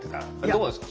どうですか？